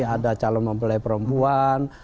ada calon mempelai perempuan